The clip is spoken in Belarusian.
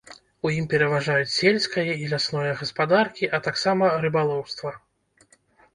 У ім пераважаюць сельскае і лясное гаспадаркі, а таксама рыбалоўства.